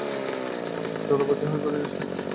জড়বাদী হইবার জন্য কখনও সচেষ্ট হইও না।